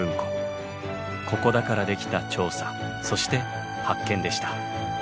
ここだからできた調査そして発見でした。